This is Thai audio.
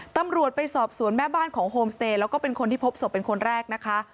ตำรวจไปสอบสวนแม่บ้านของโฮมสเตย์แล้วก็เป็นคนที่พบศพเป็นคนแรกนะคะ